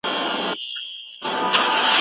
د خلکو روغتيا ته يې پام و.